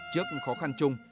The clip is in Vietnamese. trước khó khăn chung